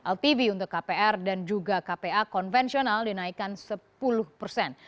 ltv untuk kpr dan juga kpa konvensional dinaikkan sepuluh persen